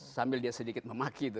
sambil dia sedikit memaki tuh